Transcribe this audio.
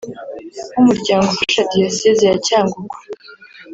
nk’umuryango ufasha Diyosezi ya Cyangugu